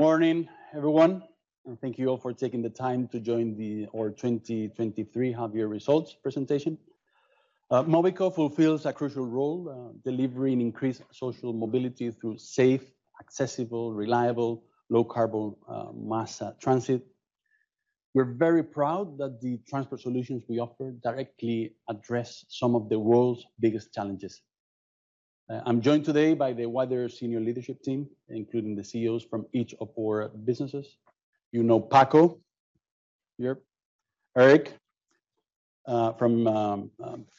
Morning, everyone, thank you all for taking the time to join the, our 2023 half year results presentation. Mobico fulfills a crucial role, delivering increased social mobility through safe, accessible, reliable, low-carbon, mass transit. We're very proud that the transport solutions we offer directly address some of the world's biggest challenges. I'm joined today by the wider senior leadership team, including the CEOs from each of our businesses. You know Paco, here, Eric, from,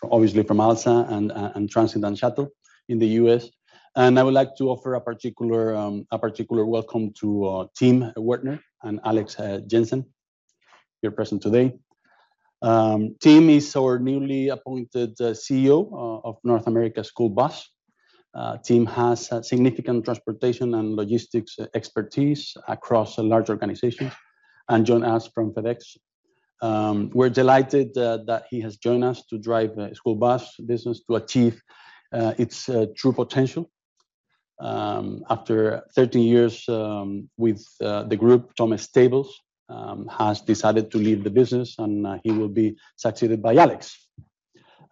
obviously from ALSA and Transdev and Shuttle in the U.S., and I would like to offer a particular welcome to Tim Wertner and Alex Jensen, here present today. Tim is our newly appointed CEO of North America School Bus. Tim has significant transportation and logistics expertise across large organizations and joins us from FedEx. We're delighted that he has joined us to drive the school bus business to achieve its true potential. After 30 years with the group, Thomas Stables has decided to leave the business. He will be succeeded by Alex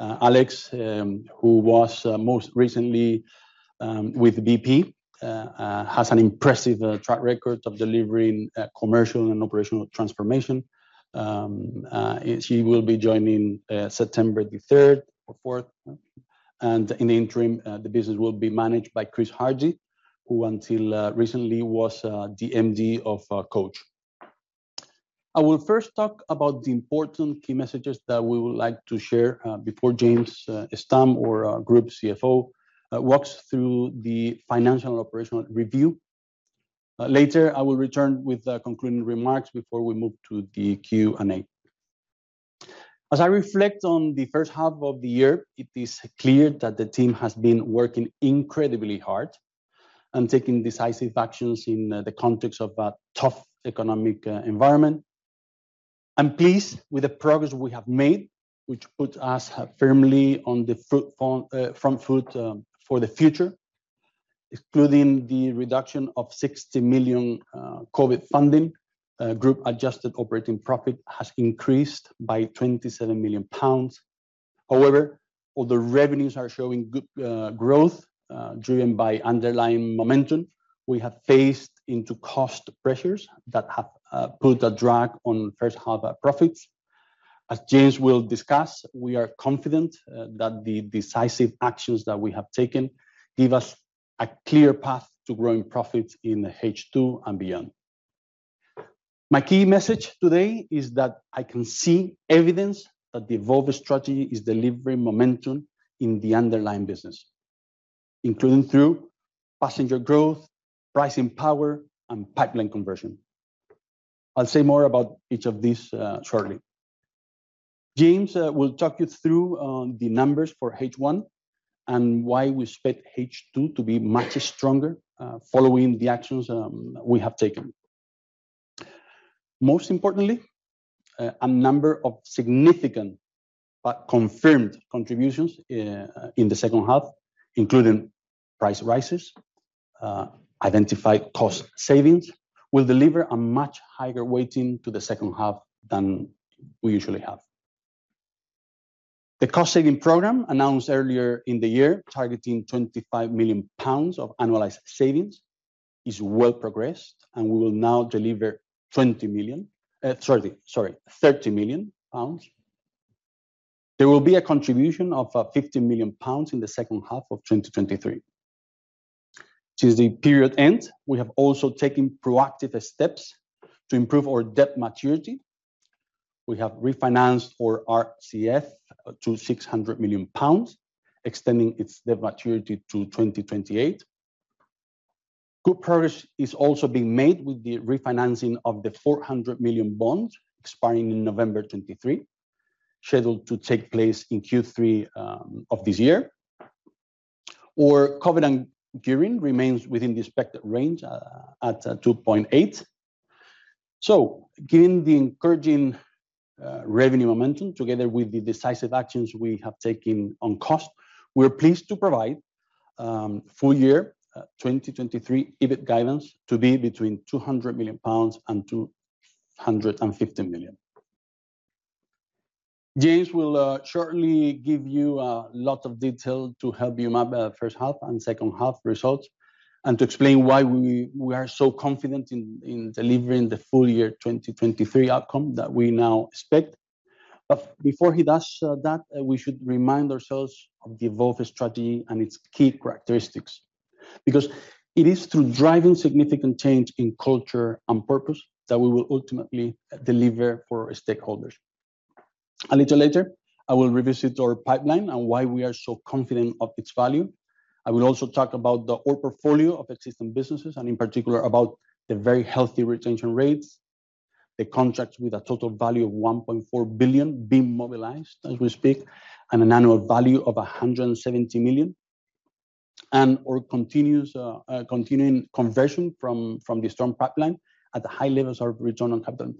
Jensen. Alex Jensen, who was most recently with BP, has an impressive track record of delivering commercial and operational transformation. He will be joining September 3rd or 4th. In the interim, the business will be managed by Chris Hardy, who until recently was the MD of Coach. I will first talk about the important key messages that we would like to share before James Stamp, our Group CFO, walks through the financial and operational review. Later, I will return with the concluding remarks before we move to the Q&A. As I reflect on the first half of the year, it is clear that the team has been working incredibly hard and taking decisive actions in the context of a tough economic environment. I'm pleased with the progress we have made, which puts us firmly on the firm foot for the future, including the reduction of 60 million COVID funding. Group adjusted operating profit has increased by 27 million pounds. However, although revenues are showing good growth, driven by underlying momentum, we have faced into cost pressures that have put a drag on first half profits. As James will discuss, we are confident that the decisive actions that we have taken give us a clear path to growing profits in H2 and beyond. My key message today is that I can see evidence that the Evolve strategy is delivering momentum in the underlying business, including through passenger growth, pricing power, and pipeline conversion. I'll say more about each of these shortly. James will talk you through the numbers for H1 and why we expect H2 to be much stronger following the actions we have taken. Most importantly, a number of significant but confirmed contributions in the second half, including price rises. Identified cost savings will deliver a much higher weighting to the second half than we usually have. The cost-saving program, announced earlier in the year, targeting 25 million pounds of annualized savings, is well progressed, and we will now deliver 30 million pounds. There will be a contribution of 50 million pounds in the second half of 2023. Since the period end, we have also taken proactive steps to improve our debt maturity. We have refinanced our RCF to 600 million pounds, extending its debt maturity to 2028. Good progress is also being made with the refinancing of the 400 million bonds expiring in November 2023, scheduled to take place in Q3 of this year. Our covenant gearing remains within the expected range at 2.8. Given the encouraging revenue momentum together with the decisive actions we have taken on cost, we are pleased to provide full year 2023 EBIT guidance to be between 200 million pounds and 250 million. James will shortly give you a lot of detail to help you map first half and second half results, and to explain why we are so confident in delivering the full year 2023 outcome that we now expect. Before he does that, we should remind ourselves of the Evolve strategy and its key characteristics, because it is through driving significant change in culture and purpose that we will ultimately deliver for our stakeholders. A little later, I will revisit our pipeline and why we are so confident of its value. I will also talk about the whole portfolio of existing businesses, and in particular, about the very healthy retention rates, the contracts with a total value of 1.4 billion being mobilized as we speak, and an annual value of 170 million, and our continuous continuing conversion from the strong pipeline at the high levels of return on capital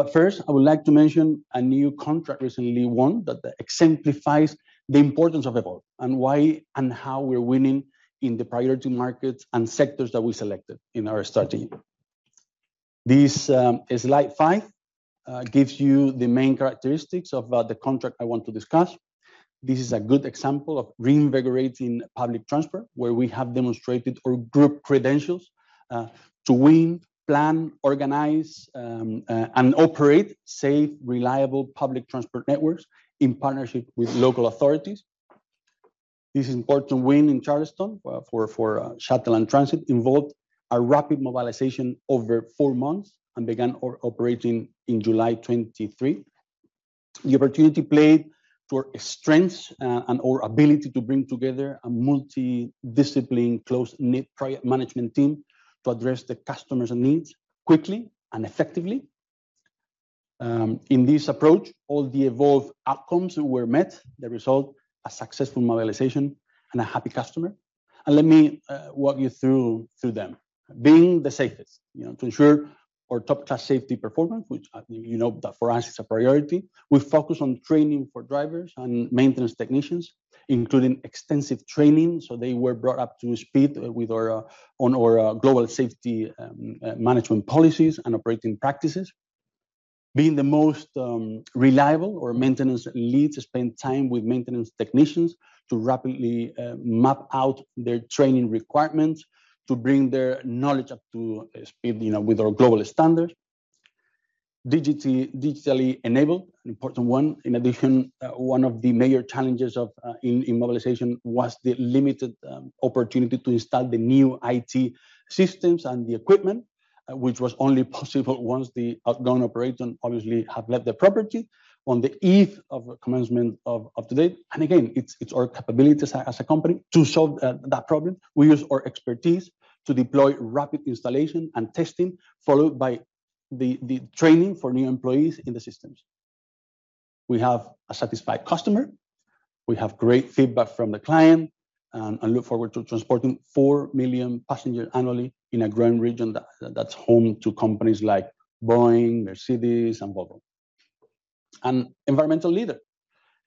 employed. First, I would like to mention a new contract recently won that exemplifies the importance of Evolve and why and how we're winning in the priority markets and sectors that we selected in our strategy. This is slide 5, gives you the main characteristics of the contract I want to discuss. This is a good example of reinvigorating public transport, where we have demonstrated our Group credentials, to win, plan, organize, and operate safe, reliable public transport networks in partnership with local authorities. This important win in Charleston, for shuttle and transit, involved a rapid mobilization over 4 months and began operating in July 2023. The opportunity played to our strengths, and our ability to bring together a multi-discipline, close-knit project management team to address the customers' needs quickly and effectively. In this approach, all the Evolve outcomes were met. The result, a successful mobilization and a happy customer. Let me walk you through them. Being the safest, you know, to ensure our top-class safety performance, which, you know that for us is a priority. We focus on training for drivers and maintenance technicians, including extensive training, so they were brought up to speed on our global safety management policies and operating practices. Being the most reliable, our maintenance leads spend time with maintenance technicians to rapidly map out their training requirements to bring their knowledge up to speed, you know, with our global standard. Digitally enabled, an important one. In addition, one of the major challenges of in mobilization was the limited opportunity to install the new IT systems and the equipment, which was only possible once the outgoing operator obviously had left the property on the eve of the commencement of the date. Again, it's our capabilities as a company to solve that problem. We use our expertise to deploy rapid installation and testing, followed by the training for new employees in the systems. We have a satisfied customer. We have great feedback from the client, and look forward to transporting 4 million passengers annually in a growing region that's home to companies like Boeing, Mercedes, and Volvo. An environmental leader.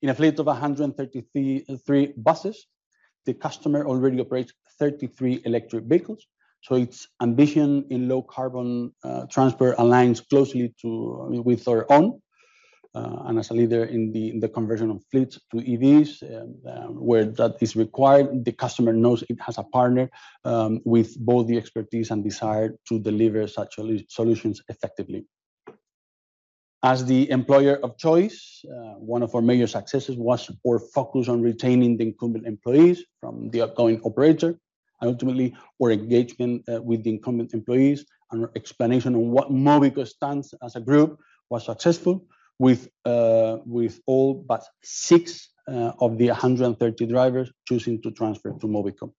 In a fleet of 133 buses, the customer already operates 33 electric vehicles, so its ambition in low-carbon transport aligns closely with our own. As a leader in the conversion of fleets to EVs, where that is required, the customer knows it has a partner with both the expertise and desire to deliver such a solutions effectively. As the employer of choice, one of our major successes was our focus on retaining the incumbent employees from the outgoing operator, ultimately, our engagement with the incumbent employees and our explanation on what Mobico stands as a group was successful with all but six of the 130 drivers choosing to transfer to Mobico.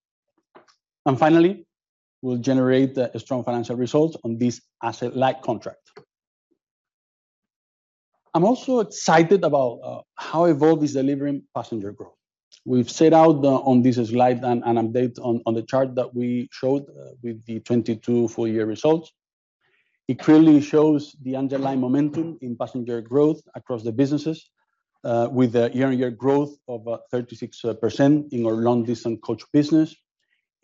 Finally, we'll generate strong financial results on this asset-light contract. I'm also excited about how Evolve is delivering passenger growth. We've set out on this slide an update on the chart that we showed with the 2022 full-year results. It clearly shows the underlying momentum in passenger growth across the businesses, with a year-on-year growth of 36% in our long-distance coach business,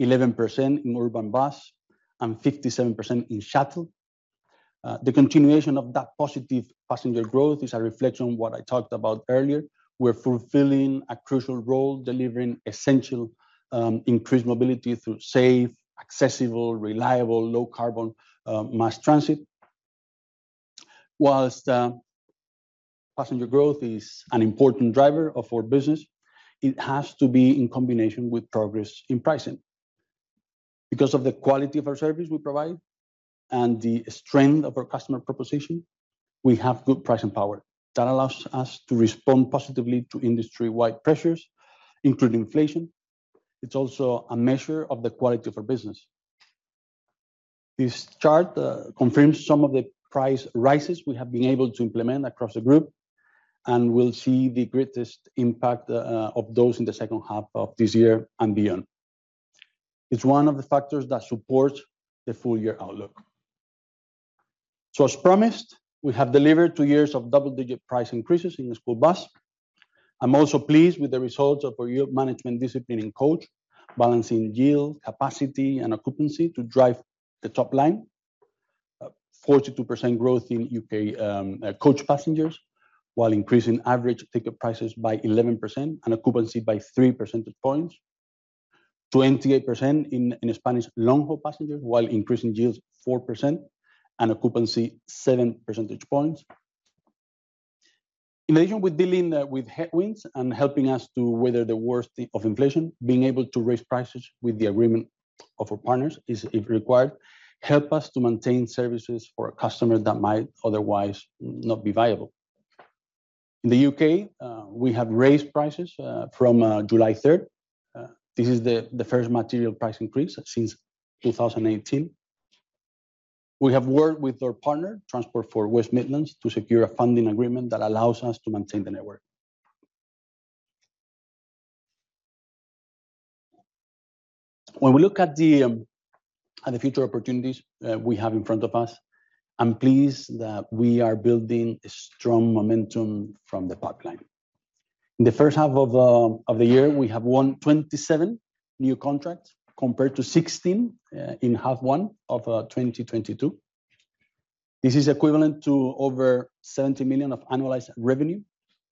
11% in urban bus, and 57% in shuttle. The continuation of that positive passenger growth is a reflection on what I talked about earlier. We're fulfilling a crucial role, delivering essential increased mobility through safe, accessible, reliable, low-carbon mass transit. Whilst passenger growth is an important driver of our business, it has to be in combination with progress in pricing. Because of the quality of our service we provide and the strength of our customer proposition, we have good pricing power. That allows us to respond positively to industry-wide pressures, including inflation. It's also a measure of the quality of our business. This chart confirms some of the price rises we have been able to implement across the group. We'll see the greatest impact of those in the second half of this year and beyond. It's one of the factors that support the full-year outlook. As promised, we have delivered two years of double-digit price increases in the school bus. I'm also pleased with the results of our yield management discipline in coach, balancing yield, capacity, and occupancy to drive the top line. 42% growth in U.K. coach passengers, while increasing average ticket prices by 11% and occupancy by 3 percentage points. 28% in Spanish long-haul passengers, while increasing yields 4% and occupancy 7 percentage points. In addition, we're dealing with headwinds and helping us to weather the worst of inflation, being able to raise prices with the agreement of our partners is, if required, help us to maintain services for a customer that might otherwise not be viable. In the U.K., we have raised prices from July third. This is the first material price increase since 2018. We have worked with our partner, Transport for West Midlands, to secure a funding agreement that allows us to maintain the network. When we look at the future opportunities we have in front of us, I'm pleased that we are building a strong momentum from the pipeline. In the first half of the year, we have won 27 new contracts, compared to 16 in half one of 2022. This is equivalent to over 70 million of annualized revenue,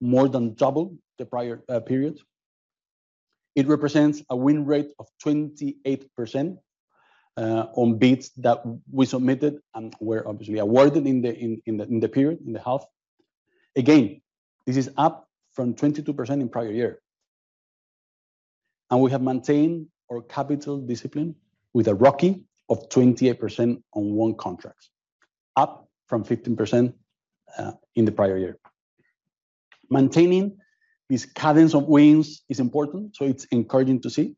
more than double the prior period. It represents a win rate of 28% on bids that we submitted and were obviously awarded in the period, in the half. This is up from 22% in prior year. We have maintained our capital discipline with a ROCE of 28% on won contracts, up from 15% in the prior year. Maintaining this cadence of wins is important, so it's encouraging to see.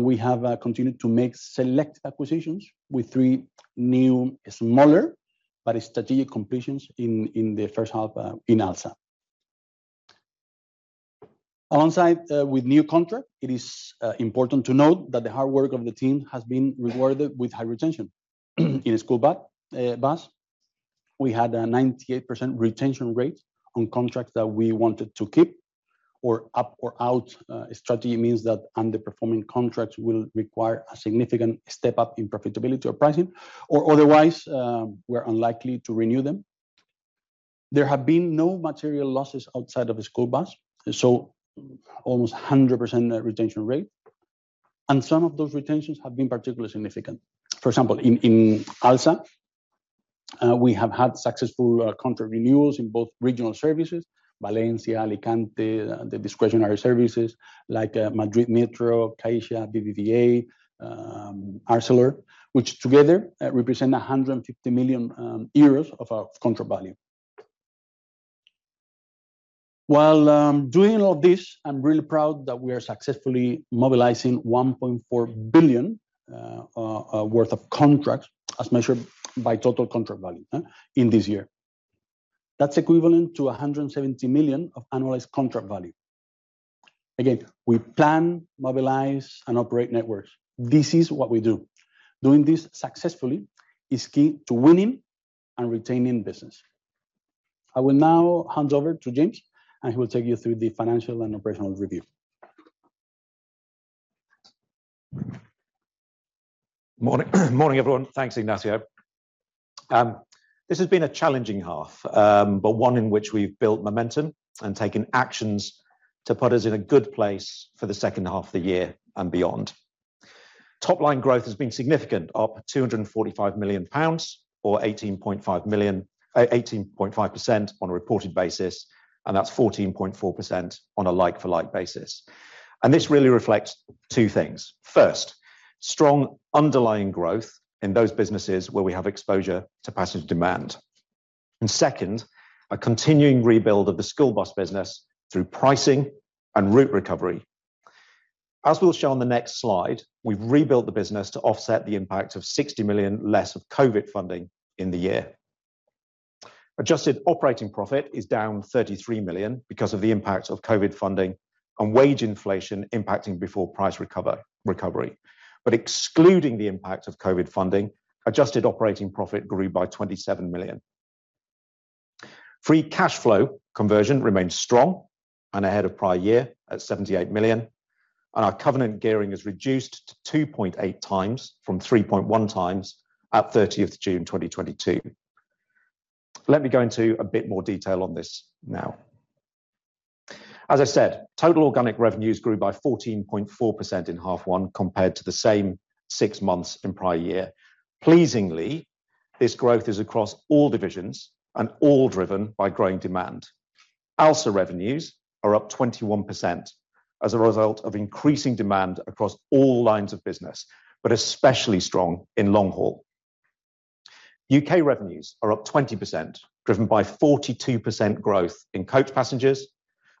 We have continued to make select acquisitions with 3 new, smaller, but strategic completions in the first half in ALSA. Alongside, with new contract, it is important to note that the hard work of the team has been rewarded with high retention. In the school bus, we had a 98% retention rate on contracts that we wanted to keep. Our up or out strategy means that underperforming contracts will require a significant step up in profitability or pricing, or otherwise, we're unlikely to renew them. There have been no material losses outside of the school bus, so almost 100% retention rate. Some of those retentions have been particularly significant. For example, in ALSA, we have had successful contract renewals in both regional services, Valencia, Alicante, the discretionary services like Madrid Metro, Caixa, BBVA, Arcelor, which together represent 150 million euros of our contract value. While doing all this, I'm really proud that we are successfully mobilizing 1.4 billion worth of contracts as measured by total contract value in this year. That's equivalent to 170 million of annualized contract value. Again, we plan, mobilize, and operate networks. This is what we do. Doing this successfully is key to winning and retaining business. I will now hand over to James, and he will take you through the financial and operational review. Morning. Morning, everyone. Thanks, Ignacio. This has been a challenging half, but one in which we've built momentum and taken actions to put us in a good place for the second half of the year and beyond. Top-line growth has been significant, up 245 million pounds or 18.5% on a reported basis, that's 14.4% on a like-for-like basis. This really reflects two things: First, strong underlying growth in those businesses where we have exposure to passenger demand. Second, a continuing rebuild of the school bus business through pricing and route recovery. As we'll show on the next slide, we've rebuilt the business to offset the impact of 60 million less of COVID funding in the year. Adjusted operating profit is down 33 million because of the impact of COVID funding and wage inflation impacting before price recovery. Excluding the impact of COVID funding, adjusted operating profit grew by 27 million. Free cash flow conversion remains strong and ahead of prior year at 78 million. Our covenant gearing is reduced to 2.8x from 3.1x at 30th June 2022. Let me go into a bit more detail on this now. As I said, total organic revenues grew by 14.4% in half one compared to the same six months in prior year. Pleasingly, this growth is across all divisions and all driven by growing demand. ALSA revenues are up 21% as a result of increasing demand across all lines of business, but especially strong in long haul. U.K. revenues are up 20%, driven by 42% growth in coach passengers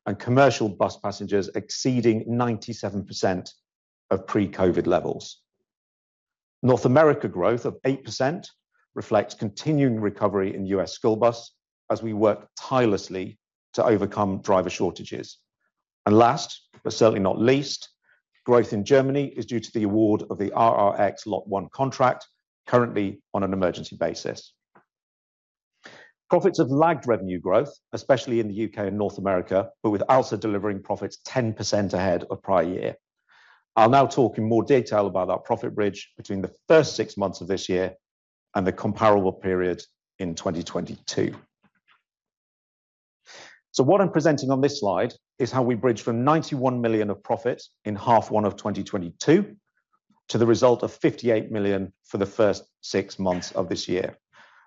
and commercial bus passengers exceeding 97% of pre-COVID levels. North America growth of 8% reflects continuing recovery in U.S. school bus as we work tirelessly to overcome driver shortages. Last, but certainly not least, growth in Germany is due to the award of the RRX Lot 1 contract, currently on an emergency basis. Profits have lagged revenue growth, especially in the U.K. and North America, but with ALSA delivering profits 10% ahead of prior year. I'll now talk in more detail about our profit bridge between the first six months of this year and the comparable period in 2022. What I'm presenting on this slide is how we bridge from 91 million of profit in H1 of 2022, to the result of 58 million for the first 6 months of this year.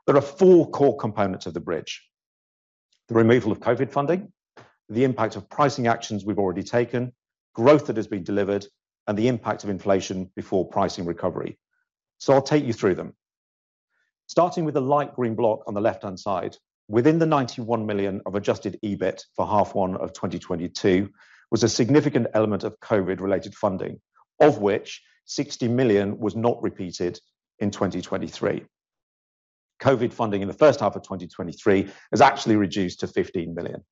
There are four core components of the bridge: the removal of COVID funding, the impact of pricing actions we've already taken, growth that has been delivered, and the impact of inflation before pricing recovery. I'll take you through them. Starting with the light green block on the left-hand side, within the 91 million of adjusted EBIT for H1 of 2022, was a significant element of COVID-related funding, of which 60 million was not repeated in 2023. COVID funding in the first half of 2023 has actually reduced to 15 million.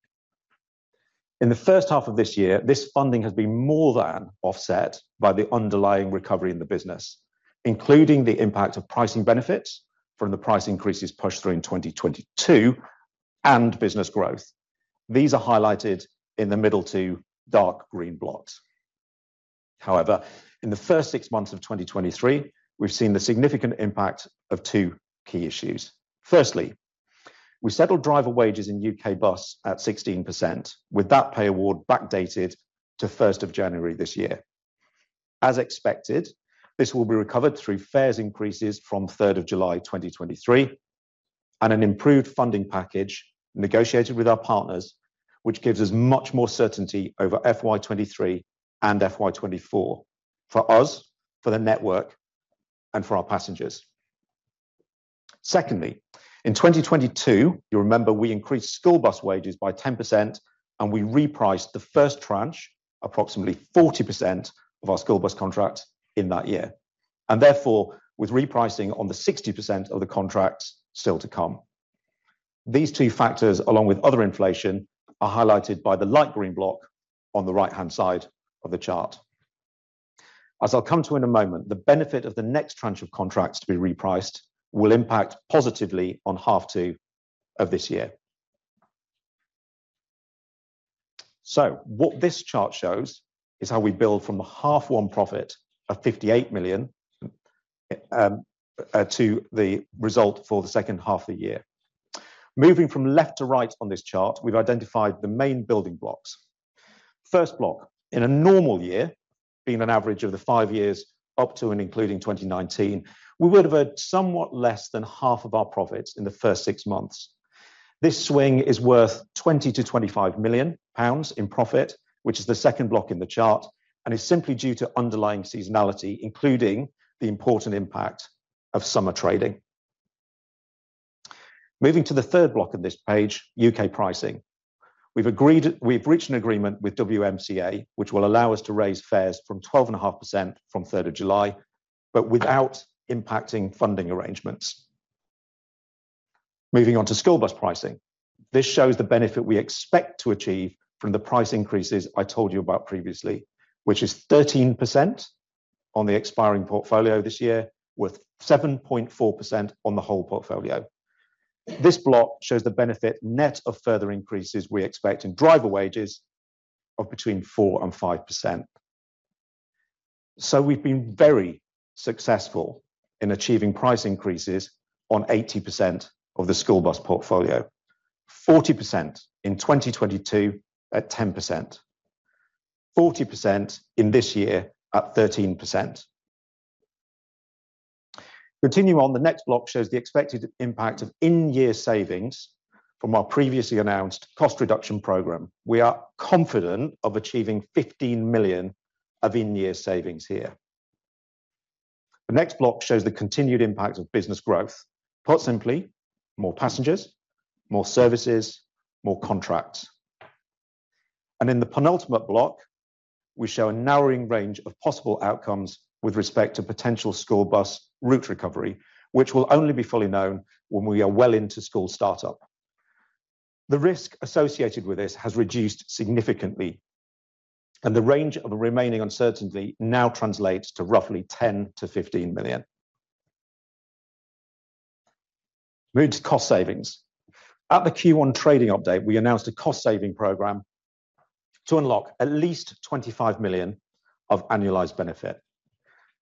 In the first half of this year, this funding has been more than offset by the underlying recovery in the business, including the impact of pricing benefits from the price increases pushed through in 2022 and business growth. These are highlighted in the middle 2 dark green blocks. However, in the first 6 months of 2023, we've seen the significant impact of 2 key issues. Firstly, we settled driver wages in U.K. bus at 16%, with that pay award backdated to first of January this year. As expected, this will be recovered through fares increases from third of July, 2023, and an improved funding package negotiated with our partners, which gives us much more certainty over FY 2023 and FY 2024, for us, for the network, and for our passengers. In 2022, you remember we increased school bus wages by 10%, we repriced the first tranche, approximately 40% of our school bus contract in that year, with repricing on the 60% of the contracts still to come. These two factors, along with other inflation, are highlighted by the light green block on the right-hand side of the chart. As I'll come to in a moment, the benefit of the next tranche of contracts to be repriced will impact positively on half two of this year. What this chart shows is how we build from a half one profit of 58 million to the result for the second half of the year. Moving from left to right on this chart, we've identified the main building blocks. First block, in a normal year, being an average of the 5 years up to and including 2019, we would have earned somewhat less than half of our profits in the first 6 months. This swing is worth 20 million-25 million pounds in profit, which is the second block in the chart, and is simply due to underlying seasonality, including the important impact of summer trading. Moving to the third block on this page, U.K. pricing. We've reached an agreement with WMCA, which will allow us to raise fares from 12.5% from 3rd of July, but without impacting funding arrangements. Moving on to school bus pricing. This shows the benefit we expect to achieve from the price increases I told you about previously, which is 13% on the expiring portfolio this year, with 7.4% on the whole portfolio. This block shows the benefit net of further increases we expect in driver wages of between 4% and 5%. We've been very successful in achieving price increases on 80% of the school bus portfolio. 40% in 2022 at 10%. 40% in this year at 13%. Continuing on, the next block shows the expected impact of in-year savings from our previously announced cost reduction program. We are confident of achieving $15 million of in-year savings here. The next block shows the continued impact of business growth. Put simply, more passengers, more services, more contracts. In the penultimate block, we show a narrowing range of possible outcomes with respect to potential school bus route recovery, which will only be fully known when we are well into school startup. The risk associated with this has reduced significantly, and the range of the remaining uncertainty now translates to roughly 10 million-15 million. Moving to cost savings. At the Q1 trading update, we announced a cost-saving program to unlock at least 25 million of annualized benefit.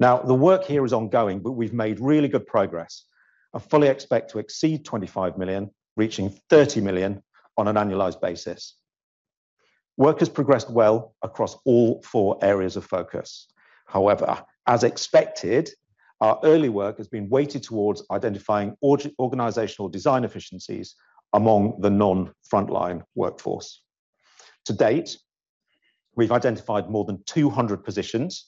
Now, the work here is ongoing, but we've made really good progress. I fully expect to exceed 25 million, reaching 30 million on an annualized basis. Work has progressed well across all four areas of focus. However, as expected, our early work has been weighted towards identifying organizational design efficiencies among the non-frontline workforce. To date, we've identified more than 200 positions,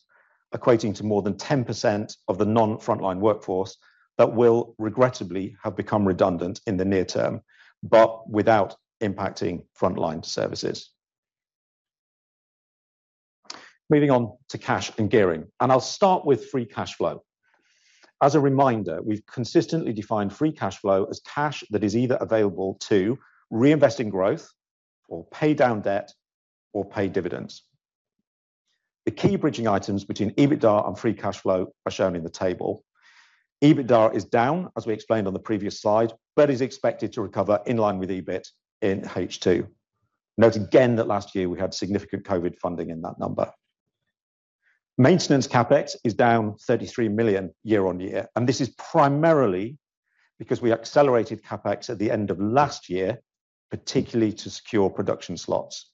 equating to more than 10% of the non-frontline workforce that will regrettably have become redundant in the near term, but without impacting frontline services. Moving on to cash and gearing, and I'll start with free cash flow. As a reminder, we've consistently defined free cash flow as cash that is either available to reinvest in growth, or pay down debt, or pay dividends. The key bridging items between EBITDA and free cash flow are shown in the table. EBITDA is down, as we explained on the previous slide, but is expected to recover in line with EBIT in H2. Note again that last year we had significant COVID funding in that number. Maintenance CapEx is down 33 million year-on-year, and this is primarily because we accelerated CapEx at the end of last year, particularly to secure production slots.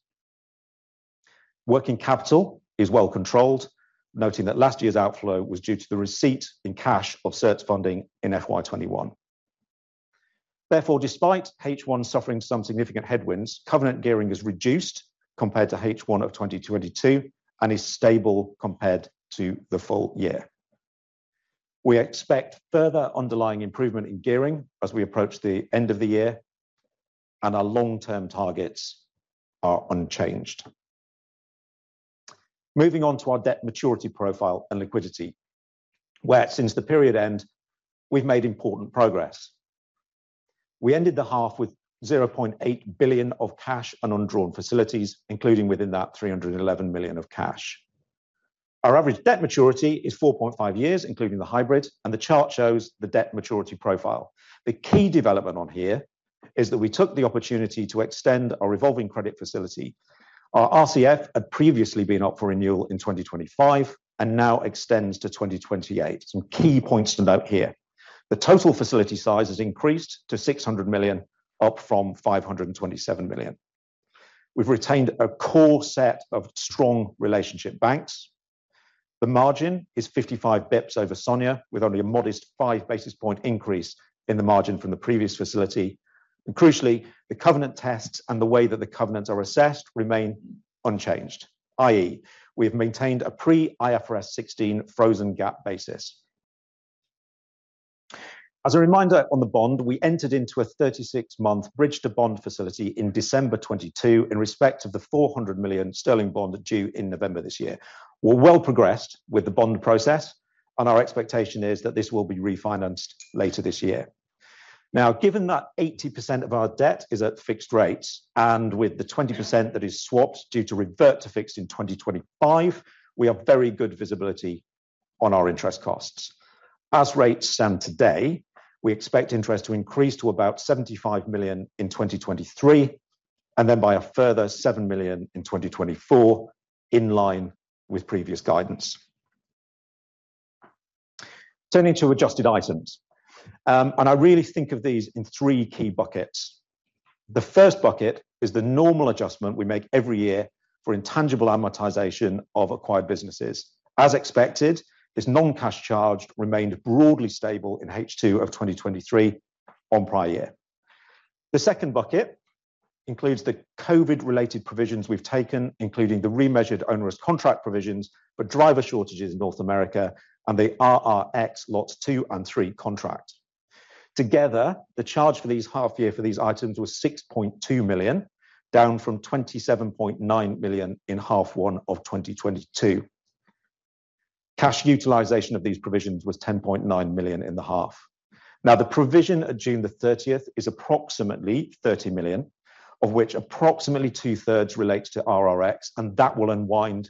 Working capital is well controlled, noting that last year's outflow was due to the receipt in cash of cert funding in FY 2021. Despite H1 suffering some significant headwinds, covenant gearing is reduced compared to H1 of 2022 and is stable compared to the full year. We expect further underlying improvement in gearing as we approach the end of the year. Our long-term targets are unchanged. Moving on to our debt maturity profile and liquidity, where since the period end, we've made important progress. We ended the half with 0.8 billion of cash and undrawn facilities, including within that 311 million of cash. Our average debt maturity is 4.5 years, including the hybrid, and the chart shows the debt maturity profile. The key development on here is that we took the opportunity to extend our revolving credit facility. Our RCF had previously been up for renewal in 2025, and now extends to 2028. Some key points to note here: the total facility size has increased to 600 million, up from 527 million. We've retained a core set of strong relationship banks. The margin is 55 basis points over SONIA, with only a modest 5 basis point increase in the margin from the previous facility. Crucially, the covenant tests and the way that the covenants are assessed remain unchanged, i.e., we have maintained a pre-IFRS 16 frozen GAAP basis. As a reminder on the bond, we entered into a 36-month bridge to bond facility in December 2022, in respect of the 400 million sterling bond due in November this year. We're well progressed with the bond process. Our expectation is that this will be refinanced later this year. Given that 80% of our debt is at fixed rates, and with the 20% that is swapped due to revert to fixed in 2025, we have very good visibility on our interest costs. As rates stand today, we expect interest to increase to about 75 million in 2023, and then by a further 7 million in 2024, in line with previous guidance. Turning to adjusted items, I really think of these in 3 key buckets. The first bucket is the normal adjustment we make every year for intangible amortization of acquired businesses. As expected, this non-cash charge remained broadly stable in H2 of 2023 on prior year. The second bucket includes the COVID-related provisions we've taken, including the remeasured onerous contract provisions, but driver shortages in North America and the RRX Lots 2 and 3 contracts. Together, the charge for these half year for these items was $6.2 million, down from $27.9 million in half one of 2022. Cash utilization of these provisions was $10.9 million in the half. Now, the provision at June the thirtieth is approximately $30 million, of which approximately two-thirds relates to RRX, and that will unwind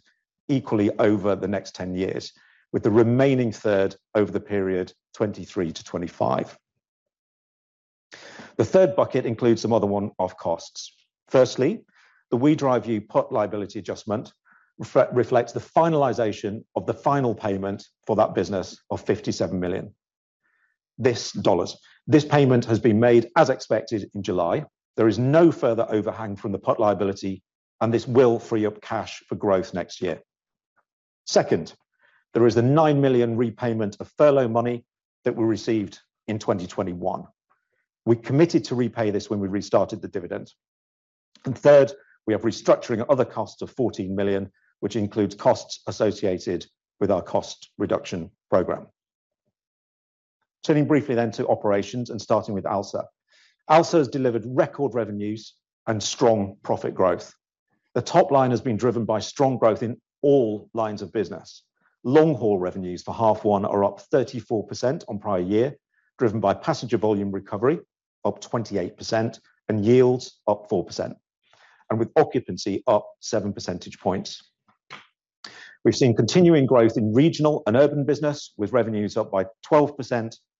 equally over the next 10 years, with the remaining third over the period 2023-2025. The third bucket includes some other one-off costs. Firstly, the WeDriveU put liability adjustment reflects the finalization of the final payment for that business of $57 million. This dollars. This payment has been made as expected in July. There is no further overhang from the put liability, and this will free up cash for growth next year. Second, there is a 9 million repayment of furlough money that we received in 2021. We committed to repay this when we restarted the dividend. Third, we have restructuring other costs of 14 million, which includes costs associated with our cost reduction program. Turning briefly then to operations and starting with ALSA. ALSA has delivered record revenues and strong profit growth. The top line has been driven by strong growth in all lines of business. Long-haul revenues for half one are up 34% on prior year, driven by passenger volume recovery up 28% and yields up 4%, and with occupancy up 7 percentage points. We've seen continuing growth in regional and urban business, with revenues up by 12%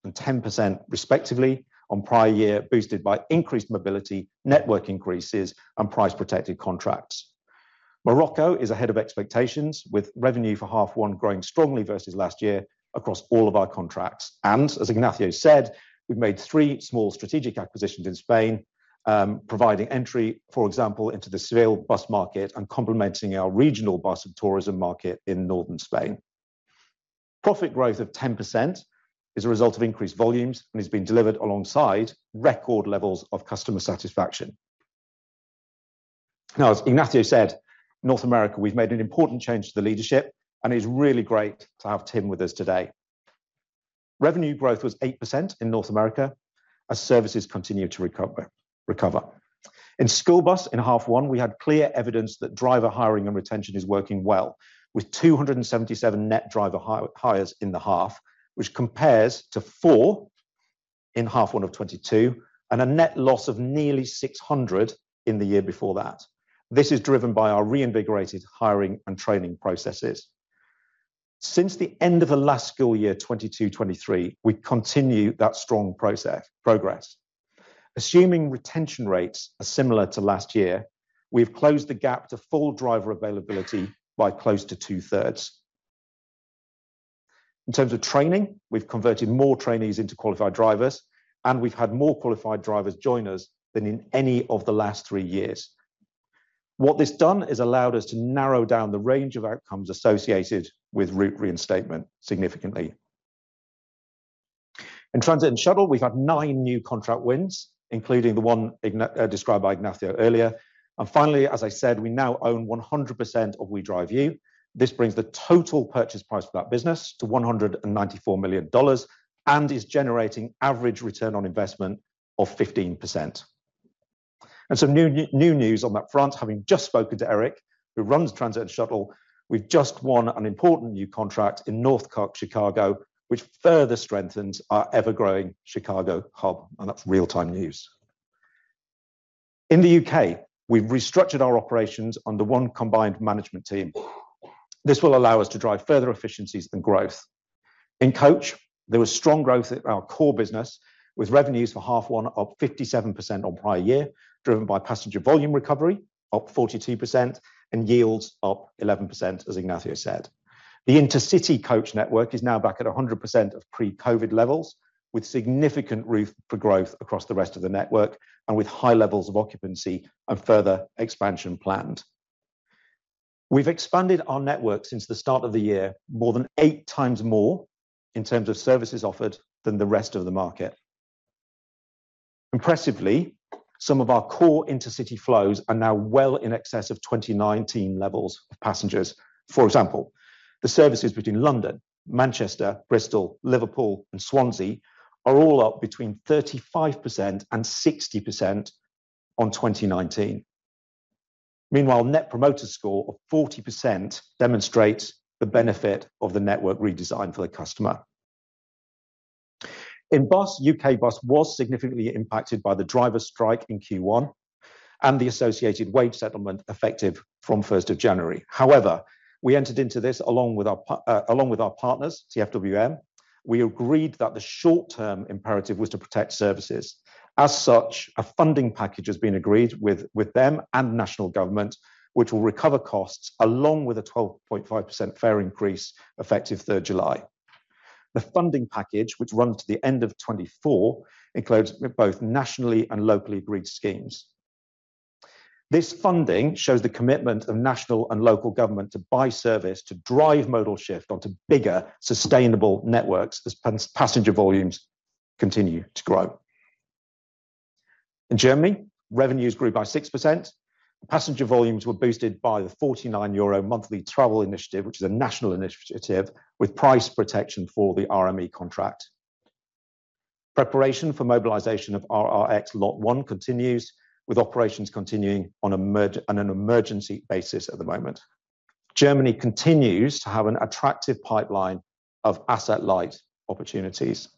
and 10% respectively on prior year, boosted by increased mobility, network increases, and price-protected contracts. Mobico is ahead of expectations, with revenue for half 1 growing strongly versus last year across all of our contracts. As Ignacio said, we've made 3 small strategic acquisitions in Spain, providing entry, for example, into the Seville bus market and complementing our regional bus and tourism market in northern Spain. Profit growth of 10% is a result of increased volumes and has been delivered alongside record levels of customer satisfaction. As Ignacio said, North America, we've made an important change to the leadership, and it's really great to have Tim with us today. Revenue growth was 8% in North America as services continue to recover. In school bus, in half one, we had clear evidence that driver hiring and retention is working well, with 277 net driver hires in the half, which compares to 4 in half one of 2022, and a net loss of nearly 600 in the year before that. This is driven by our reinvigorated hiring and training processes. Since the end of the last school year, 2022, 2023, we continue that strong progress. Assuming retention rates are similar to last year, we've closed the gap to full driver availability by close to two-thirds. In terms of training, we've converted more trainees into qualified drivers, and we've had more qualified drivers join us than in any of the last three years. What this done is allowed us to narrow down the range of outcomes associated with route reinstatement significantly. In transit and shuttle, we've had 9 new contract wins, including the one described by Ignacio earlier. Finally, as I said, we now own 100% of WeDriveU. This brings the total purchase price for that business to $194 million and is generating average return on investment of 15%. Some new news on that front, having just spoken to Eric, who runs transit shuttle, we've just won an important new contract in North Chicago, which further strengthens our ever-growing Chicago hub, and that's real-time news. In the U.K., we've restructured our operations under 1 combined management team. This will allow us to drive further efficiencies and growth. In coach, there was strong growth at our core business, with revenues for half one up 57% on prior year, driven by passenger volume recovery up 42% and yields up 11%, as Ignacio said. The intercity coach network is now back at 100% of pre-COVID levels, with significant room for growth across the rest of the network and with high levels of occupancy and further expansion planned. We've expanded our network since the start of the year, more than 8 times more in terms of services offered than the rest of the market. Impressively, some of our core intercity flows are now well in excess of 2019 levels of passengers. For example, the services between London, Manchester, Bristol, Liverpool, and Swansea are all up between 35% and 60% on 2019. Meanwhile, Net Promoter Score of 40% demonstrates the benefit of the network redesign for the customer. In bus, U.K. Bus was significantly impacted by the driver strike in Q1 and the associated wage settlement effective from 1st of January. We entered into this along with our partners, TfWM. We agreed that the short-term imperative was to protect services. As such, a funding package has been agreed with them and national government, which will recover costs along with a 12.5% fare increase, effective 3rd July. The funding package, which runs to the end of 2024, includes both nationally and locally agreed schemes. This funding shows the commitment of national and local government to buy service, to drive modal shift onto bigger, sustainable networks as passenger volumes continue to grow. In Germany, revenues grew by 6%. Passenger volumes were boosted by the 49 euro monthly travel initiative, which is a national initiative with price protection for the RME contract. Preparation for mobilization of RRX Lot 1 continues, with operations continuing on an emergency basis at the moment. Germany continues to have an attractive pipeline of asset-light opportunities.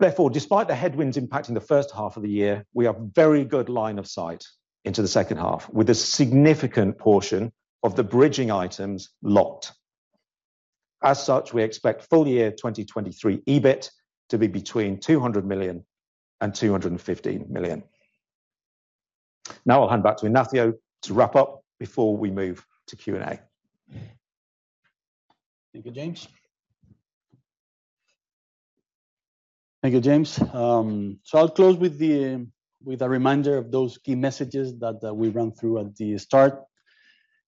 Despite the headwinds impacting the first half of the year, we have very good line of sight into the second half, with a significant portion of the bridging items locked. We expect full year 2023 EBIT to be between 200 million and 215 million. I'll hand back to Ignacio to wrap up before we move to Q&A. Thank you, James. Thank you, James. I'll close with the with a reminder of those key messages that we ran through at the start.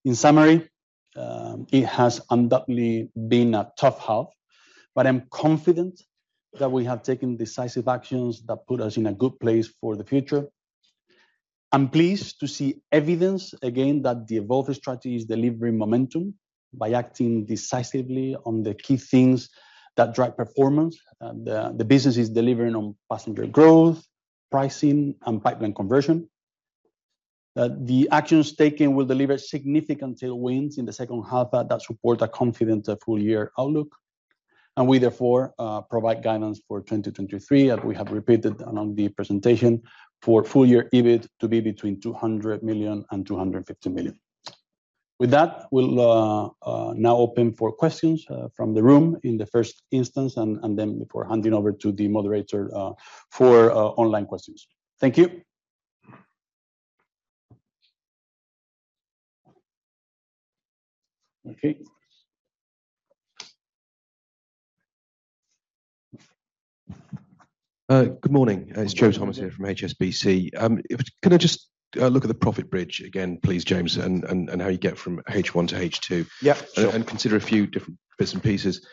In summary, it has undoubtedly been a tough half, but I'm confident that we have taken decisive actions that put us in a good place for the future. I'm pleased to see evidence again that the Evolve strategy is delivering momentum by acting decisively on the key things that drive performance. The business is delivering on passenger growth, pricing, and pipeline conversion. The actions taken will deliver significant tailwinds in the second half that support a confident full-year outlook, and we therefore provide guidance for 2023, as we have repeated along the presentation, for full-year EBIT to be between 200 million and 250 million. With that, we'll now open for questions from the room in the first instance, and then before handing over to the moderator for online questions. Thank you. Okay. Good morning. Good morning. It's Joe Thomas here from HSBC. Could I just look at the profit bridge again, please, James, and how you get from H1 to H2? Yeah, sure. Consider a few different bits and pieces.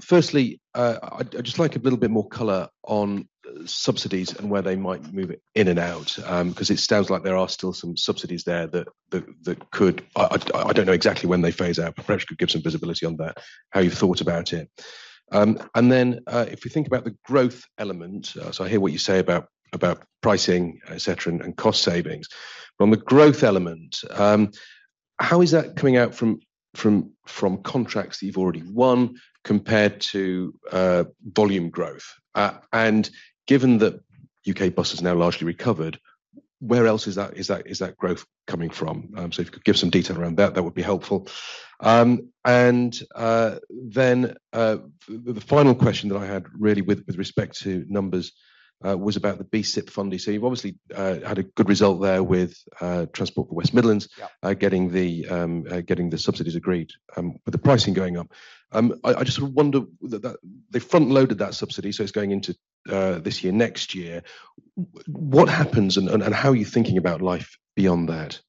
Firstly, I'd just like a little bit more color on subsidies and where they might move it in and out, 'cause it sounds like there are still some subsidies there that could... I don't know exactly when they phase out, but perhaps you could give some visibility on that, how you've thought about it. Then, if you think about the growth element, I hear what you say about pricing, et cetera, and cost savings. On the growth element, how is that coming out from contracts that you've already won compared to volume growth? Given that U.K. Bus is now largely recovered, where else is that growth coming from? If you could give some detail around that would be helpful. The final question that I had really with respect to numbers, was about the BSIP funding. You've obviously had a good result there with Transport for West Midlands. Yeah... getting the subsidies agreed, with the pricing going up. I just wonder that they front-loaded that subsidy, so it's going into, this year, next year. What happens and how are you thinking about life beyond that?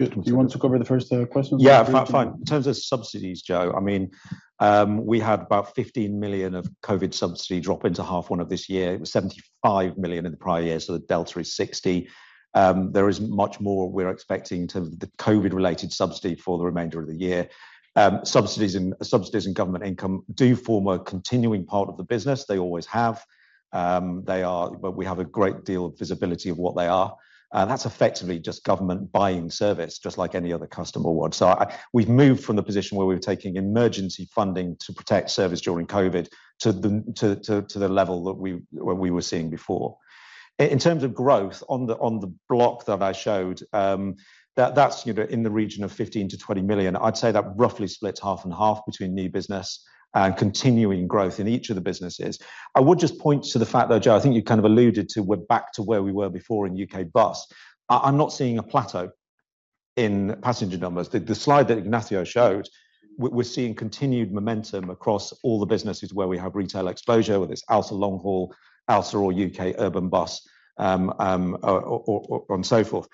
Do you want to cover the first question? Yeah, fine. In terms of subsidies, Joe, I mean, we had about 15 million of COVID subsidy drop into half one of this year. It was 75 million in the prior year, the delta is 60 million. There is much more we're expecting in terms of the COVID-related subsidy for the remainder of the year. Subsidies and government income do form a continuing part of the business. They always have. We have a great deal of visibility of what they are, and that's effectively just government buying service, just like any other customer would. We've moved from the position where we were taking emergency funding to protect service during COVID, to the level that we were seeing before. In terms of growth on the block that I showed, that's, you know, in the region of 15 million-20 million. I'd say that roughly splits half and half between new business and continuing growth in each of the businesses. I would just point to the fact, though, Joe, I think you kind of alluded to we're back to where we were before in UK bus. I'm not seeing a plateau in passenger numbers. The slide that Ignacio showed, we're seeing continued momentum across all the businesses where we have retail exposure, whether it's ALSA Long-Haul, ALSA or U.K. Urban Bus, or, and so forth.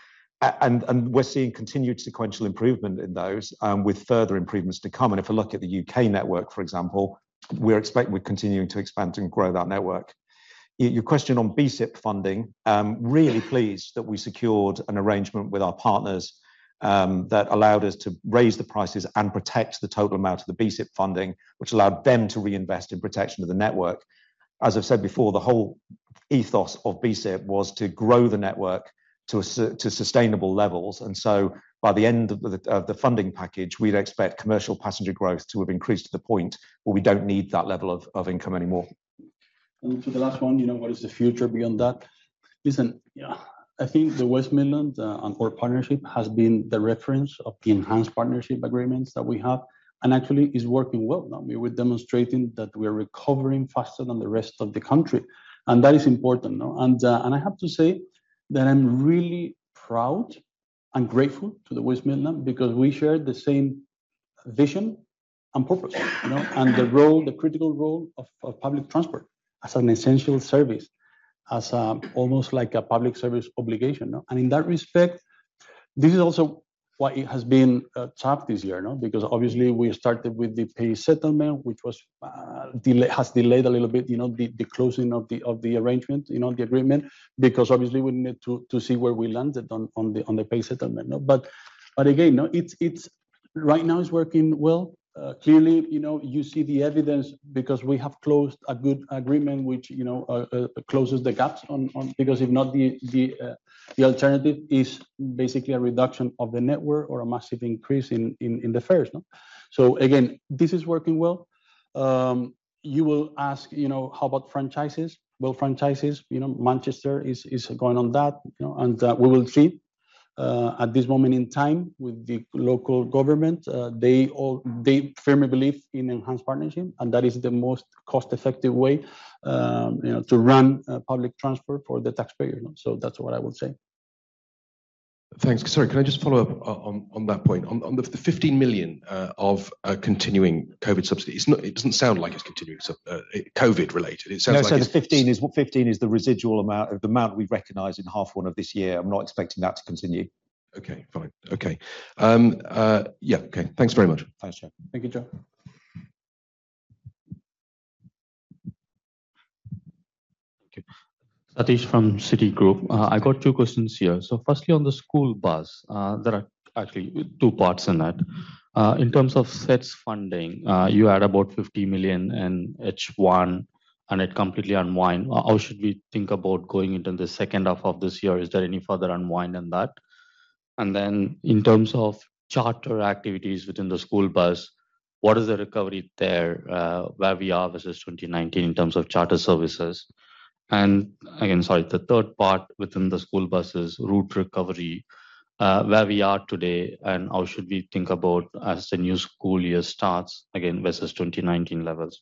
We're seeing continued sequential improvement in those, with further improvements to come. If I look at the U.K. network, for example, we're continuing to expand and grow that network. Your question on BSIP funding, really pleased that we secured an arrangement with our partners, that allowed us to raise the prices and protect the total amount of the BSIP funding, which allowed them to reinvest in protection of the network. As I've said before, the whole ethos of BSIP was to grow the network to sustainable levels. By the end of the funding package, we'd expect commercial passenger growth to have increased to the point where we don't need that level of income anymore. For the last one, you know, what is the future beyond that? Listen, yeah. I think the West Midlands and our partnership has been the reference of the enhanced partnership agreements that we have, and actually is working well now. We're demonstrating that we're recovering faster than the rest of the country, and that is important, no? I have to say that I'm really proud and grateful to the West Midlands because we share the same vision and purpose, you know, and the role, the critical role of public transport as an essential service, as almost like a public service obligation, no? In that respect, this is also why it has been tough this year, no? Obviously we started with the pay settlement, which was has delayed a little bit, you know, the closing of the arrangement, you know, the agreement, because obviously we need to see where we landed on the pay settlement. Again, no, it's... Right now, it's working well. Clearly, you know, you see the evidence because we have closed a good agreement which, you know, closes the gaps on. Because if not, the alternative is basically a reduction of the network or a massive increase in the fares. Again, this is working well. You will ask, you know, how about franchises? Franchises, you know, Manchester is going on that, you know, and we will see. At this moment in time with the local government, they firmly believe in enhanced partnering, and that is the most cost-effective way, you know, to run public transport for the taxpayer, you know? That's what I would say. Thanks. Sorry, can I just follow up on that point? On the 15 million of continuing COVID subsidy, it doesn't sound like it's continuing COVID-related. It sounds like. No, the 15 is the residual amount of the amount we've recognized in half 1 of this year. I'm not expecting that to continue. Okay, fine. Okay. Yeah, okay. Thanks very much. Thanks, Joe. Thank you, Joe. Okay. Satish from Citigroup. I got two questions here. Firstly, on the North America School Bus, there are actually two parts in it. In terms of ZEVs funding, you had about $50 million in H1, and it completely unwind. How should we think about going into the second half of this year? Is there any further unwind in that? In terms of charter activities within the school bus, what is the recovery there, where we are versus 2019 in terms of charter services? Again, sorry, the third part within the school bus is route recovery, where we are today and how should we think about as the new school year starts, again, versus 2019 levels.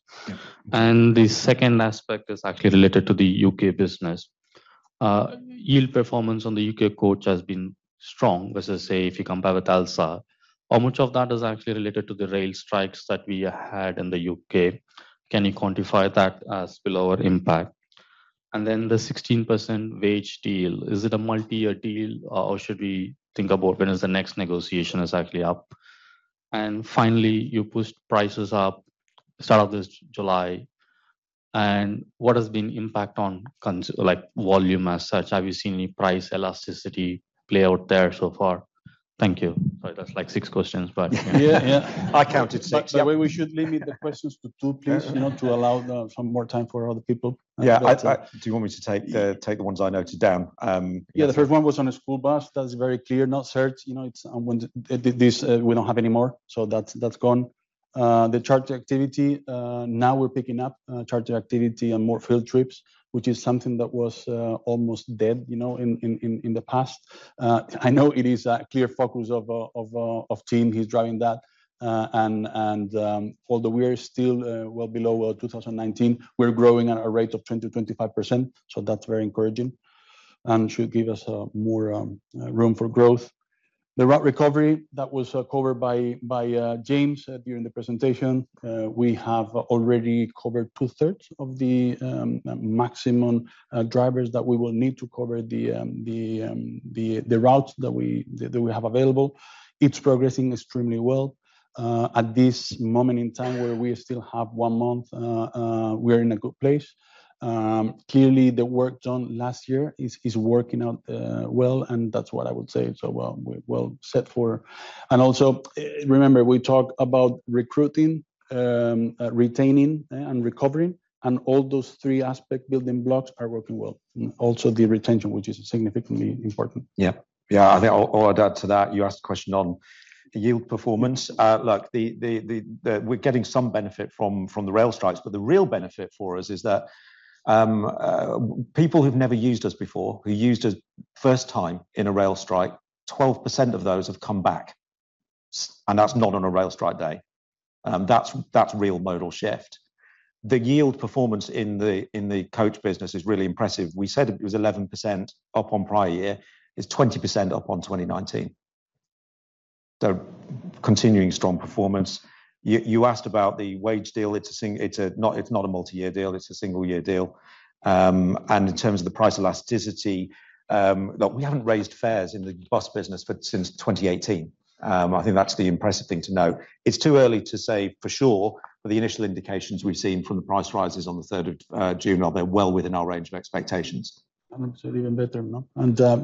Yeah. The second aspect is actually related to the U.K. business. Yield performance on the U.K. coach has been strong versus, say, if you compare with ALSA. How much of that is actually related to the rail strikes that we had in the U.K.? Can you quantify that as below our impact? Then the 16% wage deal, is it a multi-year deal, or should we think about when is the next negotiation is actually up? Finally, you pushed prices up start of this July, and what has been the impact on like, volume as such? Have you seen any price elasticity play out there so far? Thank you. Sorry, that's like six questions, but... Yeah, yeah. I counted 6. Yeah. The way we should limit the questions to 2, please, you know, to allow the, some more time for other people. Yeah, Do you want me to take the ones I noted down? Yeah, the first one was on a school bus. That's very clear. Not search, you know, it's when this we don't have anymore, so that's gone. The charter activity, now we're picking up charter activity and more field trips, which is something that was almost dead, you know, in the past. I know it is a clear focus of team. He's driving that. Although we are still well below 2019, we're growing at a rate of 20%-25%, so that's very encouraging and should give us more room for growth. The route recovery that was covered by James during the presentation, we have already covered two-thirds of the maximum drivers that we will need to cover the routes that we have available. It's progressing extremely well. At this moment in time, where we still have one month, we are in a good place. Clearly the work done last year is working out well, and that's what I would say. Well, we're well set for. Also, remember, we talked about recruiting, retaining, and recovering, and all those three aspect building blocks are working well. Also, the retention, which is significantly important. Yeah. Yeah, I think I'll add to that. You asked a question on yield performance. Look, we're getting some benefit from the rail strikes, but the real benefit for us is that people who've never used us before, who used us first time in a rail strike, 12% of those have come back, and that's not on a rail strike day. That's real modal shift. The yield performance in the coach business is really impressive. We said it was 11% up on prior year. It's 20% up on 2019. Continuing strong performance. You asked about the wage deal. It's not a multi-year deal, it's a single-year deal. In terms of the price elasticity, look, we haven't raised fares in the bus business, but since 2018. I think that's the impressive thing to note. It's too early to say for sure, but the initial indications we've seen from the price rises on the 3rd of June are they're well within our range of expectations. Even better, no?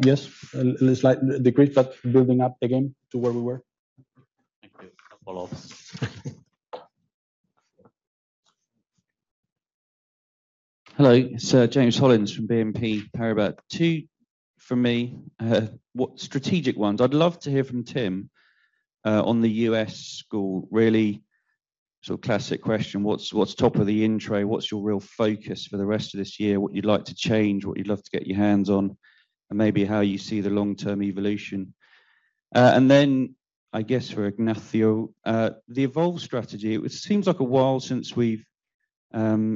Yes, a slight decrease, but building up again to where we were. Thank you. A follow-up. Hello, Sir James Hollins from BNP Paribas. Two from me. What strategic ones? I'd love to hear from Tim on the U.S. school. Really, classic question, what's top of the in-tray? What's your real focus for the rest of this year? What you'd like to change, what you'd love to get your hands on, and maybe how you see the long-term evolution? Then I guess for Ignacio, the Evolve strategy. It seems like a while since we've had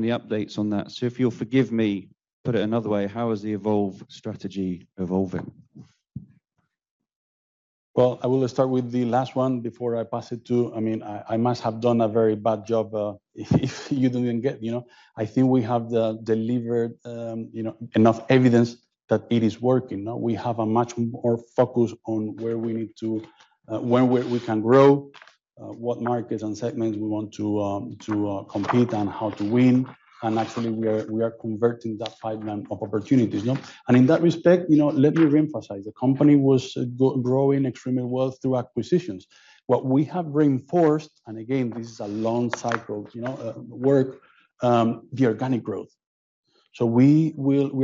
any updates on that. If you'll forgive me, put it another way, how is the Evolve strategy evolving? Well, I will start with the last one before I pass it to. I mean, I must have done a very bad job if you didn't get, you know? I think we have the delivered, you know, enough evidence that it is working, no? We have a much more focus on where we need to, where we can grow, what markets and segments we want to compete and how to win. Actually, we are converting that pipeline of opportunities, no? In that respect, you know, let me reemphasize, the company was growing extremely well through acquisitions. What we have reinforced, again, this is a long cycle, you know, work, the organic growth. We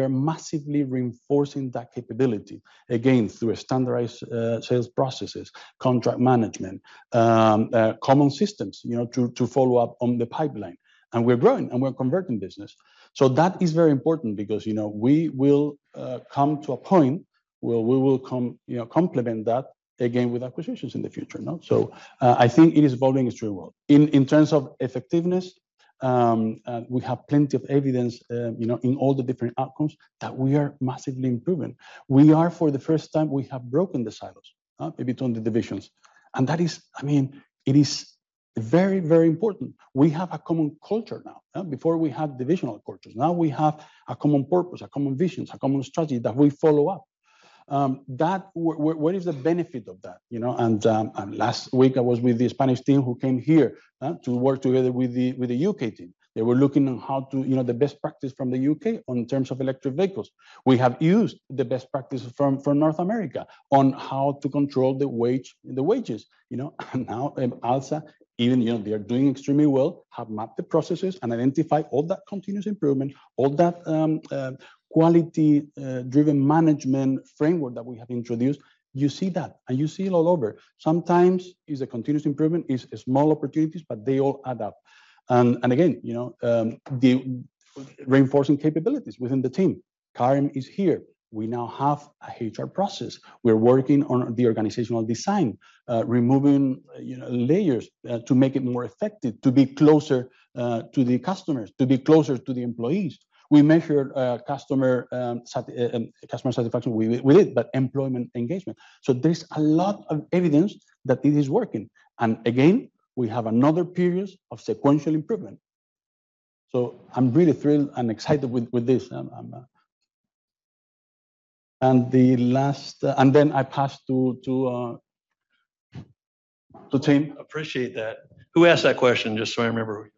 are massively reinforcing that capability, again, through a standardized sales processes, contract management, common systems, you know, to follow up on the pipeline. We're growing, and we're converting business. That is very important because, you know, we will come to a point where we will, you know, complement that again, with acquisitions in the future, no? I think it is evolving extremely well. In terms of effectiveness, we have plenty of evidence, you know, in all the different outcomes that we are massively improving. We are, for the first time, we have broken the silos between the divisions, and that is... I mean, it is very important. We have a common culture now, uh? Before, we had divisional cultures. Now, we have a common purpose, a common vision, a common strategy that we follow up. What, what is the benefit of that, you know? Last week, I was with the Spanish team who came here to work together with the U.K. team. They were looking on how to, you know, the best practice from the U.K. on terms of electric vehicles. We have used the best practice from North America on how to control the wages, you know? And now, and also, even, you know, they are doing extremely well, have mapped the processes, and identified all that continuous improvement, all that quality driven management framework that we have introduced. You see that, and you see it all over. Sometimes is a continuous improvement, is small opportunities, but they all add up. Again, you know, the reinforcing capabilities within the team. Karim is here. We now have a HR process. We're working on the organizational design, removing, you know, layers, to make it more effective, to be closer to the customers, to be closer to the employees. We measure customer sat, customer satisfaction with it, but employment engagement. There's a lot of evidence that it is working. Again, we have another period of sequential improvement. I'm really thrilled and excited with this. I'm. The last. Then I pass to Tim. Appreciate that. Who asked that question, just so I remember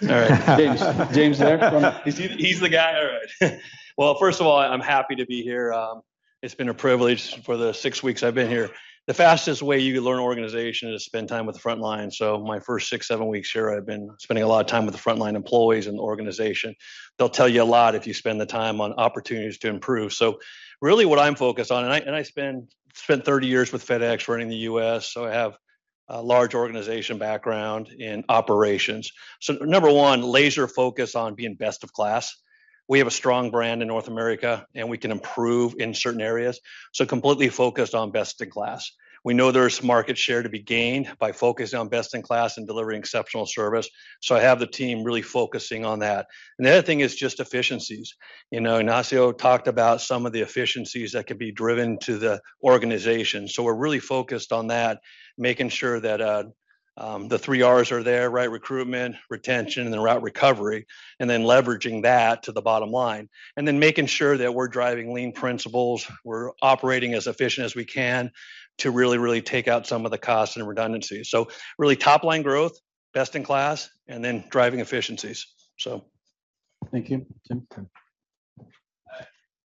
who you are? All right, James. He's the guy? All right. Well, first of all, I'm happy to be here. It's been a privilege for the 6 weeks I've been here. The fastest way you can learn organization is to spend time with the frontline. My first 6, 7 weeks here, I've been spending a lot of time with the frontline employees and the organization. They'll tell you a lot if you spend the time on opportunities to improve. Really, what I'm focused on, and I spent 30 years with FedEx running the U.S., I have a large organization background in operations. Number one, laser focus on being best in class. We have a strong brand in North America, we can improve in certain areas, completely focused on best in class. We know there is market share to be gained by focusing on best in class and delivering exceptional service, so I have the team really focusing on that. The other thing is just efficiencies. You know, Ignacio talked about some of the efficiencies that could be driven to the organization. We're really focused on that, making sure that the three R's are there, right? Recruitment, retention, and then route recovery, and then leveraging that to the bottom line. Making sure that we're driving lean principles, we're operating as efficient as we can to really, really take out some of the costs and redundancies. Really, top-line growth, best in class, and then driving efficiencies. Thank you, Tim....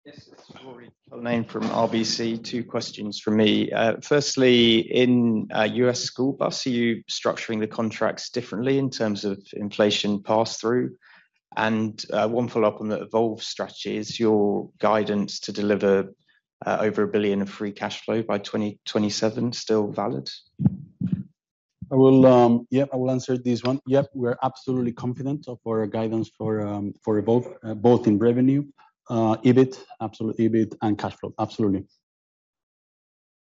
Yes, it's Ruairi Cullinane from RBC. Two questions from me. Firstly, in U.S. school bus, are you structuring the contracts differently in terms of inflation pass-through? One follow-up on the Evolve strategy: is your guidance to deliver over 1 billion of free cash flow by 2027 still valid? I will. Yeah, I will answer this one. Yep, we're absolutely confident of our guidance for Evolve, both in revenue, EBIT, absolute EBIT, and cash flow. Absolutely.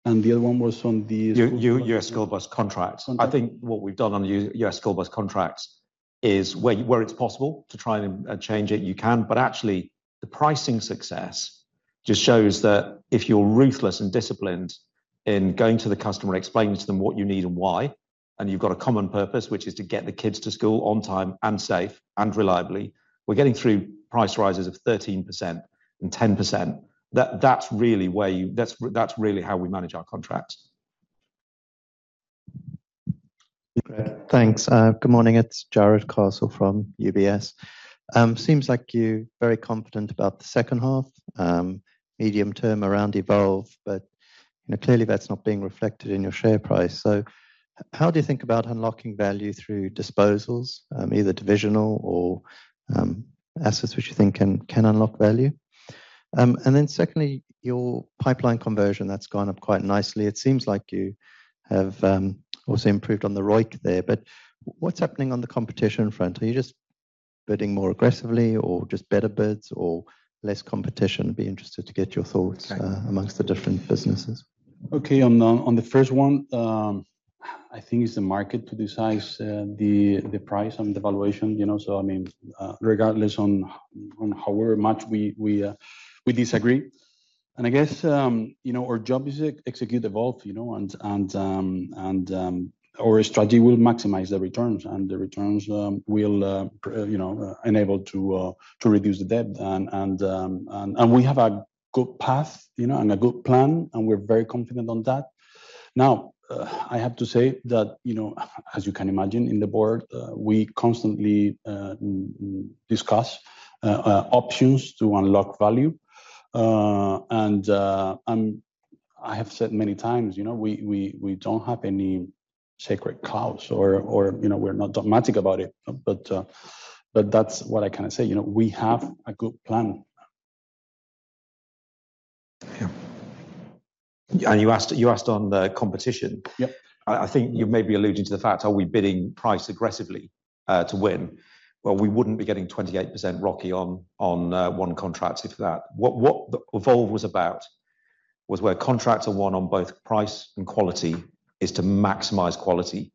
U.S. school bus contracts. Contracts. I think what we've done on U.S. school bus contracts is where it's possible to try and change it, you can, but actually the pricing success just shows that if you're ruthless and disciplined in going to the customer and explaining to them what you need and why, and you've got a common purpose, which is to get the kids to school on time and safe and reliably, we're getting through price rises of 13% and 10%. That's really where. That's really how we manage our contracts. Thanks. Good morning, it's Jarrod Castle from UBS. Seems like you're very confident about the second half, medium term around Evolve, but, you know, clearly that's not being reflected in your share price. How do you think about unlocking value through disposals, either divisional or, assets which you think can unlock value? Then secondly, your pipeline conversion, that's gone up quite nicely. It seems like you have also improved on the ROIC there, but what's happening on the competition front? Are you just bidding more aggressively or just better bids or less competition? I'd be interested to get your thoughts amongst the different businesses. Okay. On the first one, I think it's the market to decide the price and the valuation, you know. I mean, regardless on however much we disagree, and I guess, you know, our job is to execute Evolve, you know, and our strategy will maximize the returns, and the returns will, you know, enable to reduce the debt. We have a good path, you know, and a good plan, and we're very confident on that. Now, I have to say that, you know, as you can imagine in the board, we constantly discuss options to unlock value. I have said many times, you know, we don't have any sacred cows or, you know, we're not dogmatic about it, but that's what I kind of say. You know, we have a good plan. Yeah. You asked on the competition. Yep. I think you may be alluding to the fact, are we bidding price aggressively to win? Well, we wouldn't be getting 28% ROCE on one contract if that. What the Evolve was about was where contracts are won on both price and quality is to maximize quality,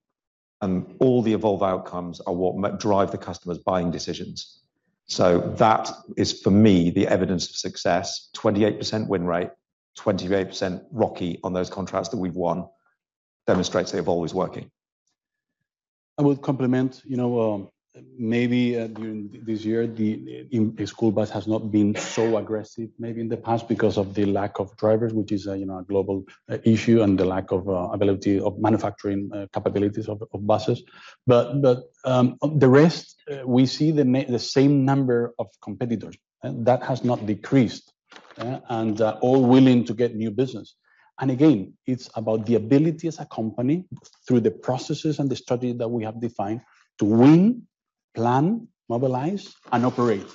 and all the Evolve outcomes are what drive the customer's buying decisions. That is, for me, the evidence of success. 28% win rate, 28% ROCE on those contracts that we've won, demonstrates the Evolve is working. I would complement, you know, maybe, during this year, the school bus has not been so aggressive maybe in the past because of the lack of drivers, which is a, you know, a global issue and the lack of ability of manufacturing capabilities of buses. The rest, we see the same number of competitors, and that has not decreased, and all willing to get new business. Again, it's about the ability as a company, through the processes and the strategy that we have defined, to win, plan, mobilize, and operate.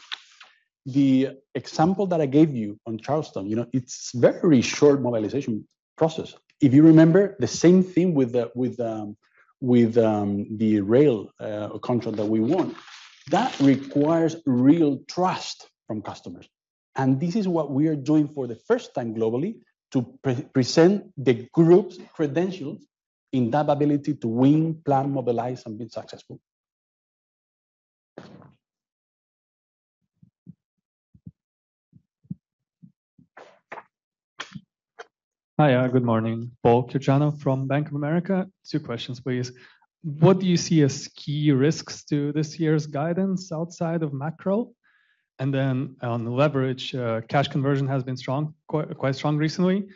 The example that I gave you on Charleston, you know, it's very short mobilization process. If you remember, the same thing with the, with the rail contract that we won. That requires real trust from customers. This is what we are doing for the first time globally, to present the group's credentials in that ability to win, plan, mobilize, and be successful. Hi, good morning. [Paul Scianna] from Bank of America. Two questions, please. What do you see as key risks to this year's guidance outside of macro? On the leverage, cash conversion has been strong, quite strong recently.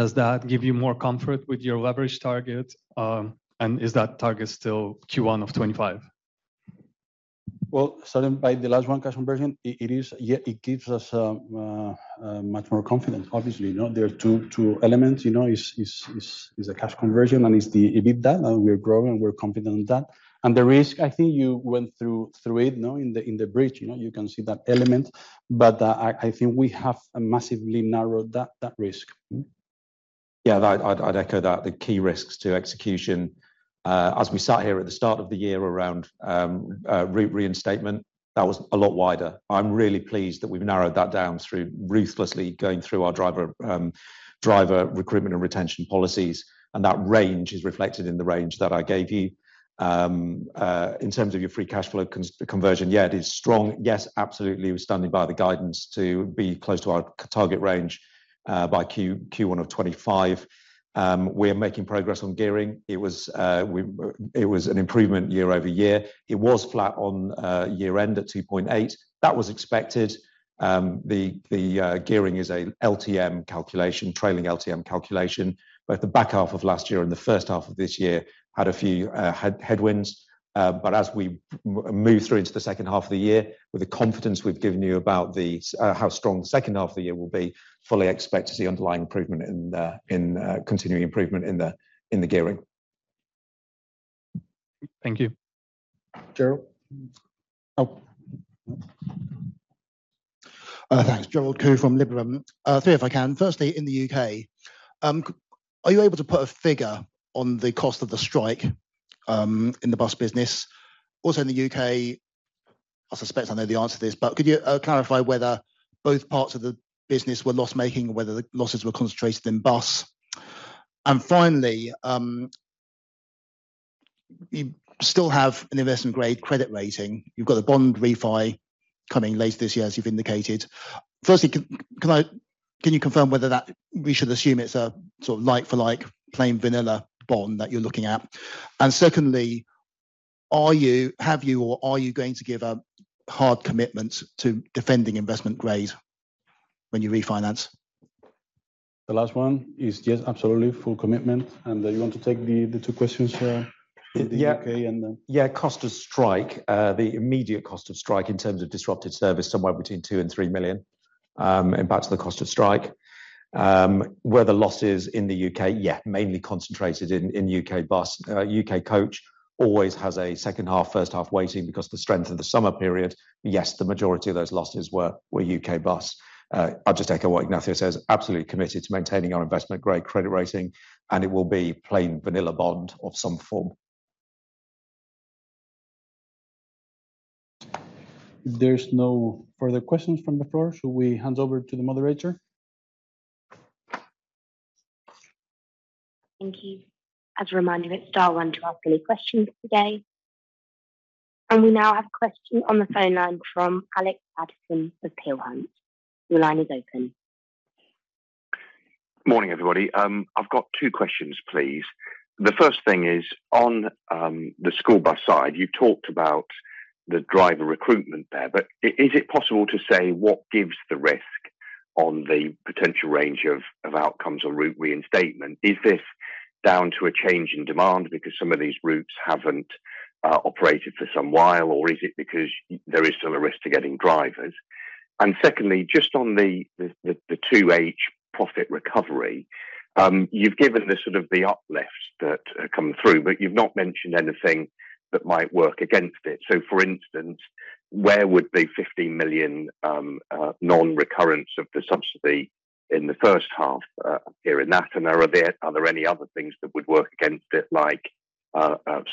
Does that give you more comfort with your leverage target? Is that target still Q1 of 2025? Well, starting by the last one, cash conversion, it is. Yeah, it gives us much more confidence, obviously, you know. There are two elements, you know, is the cash conversion and is the EBITDA, and we're growing, and we're confident on that. The risk, I think you went through it, you know, in the, in the bridge, you know, you can see that element, but I think we have massively narrowed that risk. That I'd echo that the key risks to execution as we sat here at the start of the year around reinstatement, that was a lot wider. I'm really pleased that we've narrowed that down through ruthlessly going through our driver recruitment and retention policies, and that range is reflected in the range that I gave you. In terms of your free cash flow conversion, it is strong. Yes, absolutely, we're standing by the guidance to be close to our target range by Q1 of 25. We are making progress on gearing. It was an improvement year-over-year. It was flat on year end at 2.8. That was expected. The gearing is a LTM calculation, trailing LTM calculation. The back half of last year and the first half of this year had a few headwinds. As we move through into the second half of the year, with the confidence we've given you about how strong the second half of the year will be, fully expect to see underlying improvement in the continuing improvement in the gearing. Thank you. Gerald? Oh.... Thanks. Gerald Khoo from Liberum. Three if I can. Firstly, in the U.K., are you able to put a figure on the cost of the strike in the bus business? Also in the U.K., I suspect I know the answer to this, but could you clarify whether both parts of the business were loss-making or whether the losses were concentrated in bus? Finally, you still have an investment-grade credit rating. You've got a bond refi coming later this year, as you've indicated. Firstly, can you confirm whether that we should assume it's a sort of like for like plain vanilla bond that you're looking at? Secondly, are you, have you, or are you going to give a hard commitment to defending investment grade when you refinance? The last one is, yes, absolutely full commitment. Then you want to take the two questions, in the U.K. Yeah, cost of strike. The immediate cost of strike in terms of disrupted service, somewhere between 2 million and 3 million, impacts the cost of strike. Were the losses in the U.K.? Mainly concentrated in U.K. bus. U.K. coach always has a second half, first half waiting because the strength of the summer period, the majority of those losses were UK bus. I'll just echo what Ignacio says, absolutely committed to maintaining our investment-grade credit rating, and it will be plain vanilla bond of some form. There's no further questions from the floor, so we hand over to the moderator. Thank you. As a reminder, it's dial one to ask any questions today. We now have a question on the phone line from Alex Paterson of Peel Hunt. Your line is open. Morning, everybody. I've got two questions, please. The first thing is, on the school bus side, you talked about the driver recruitment there, but is it possible to say what gives the risk on the potential range of outcomes or route reinstatement? Is this down to a change in demand because some of these routes haven't operated for some while, or is it because there is still a risk to getting drivers? Secondly, just on the 2H profit recovery, you've given the sort of the uplifts that come through, but you've not mentioned anything that might work against it. For instance, where would the 15 million non-recurrence of the subsidy in the first half here in that? Are there any other things that would work against it, like,